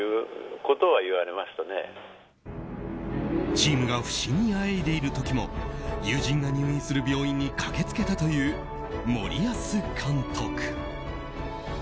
チームが不振にあえいでいる時も友人が入院する病院に駆け付けたという森保監督。